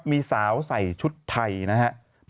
มีสาวใส่ชุดไทยนะครับ